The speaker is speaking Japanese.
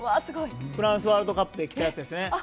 フランスワールドカップで着ていたやつですね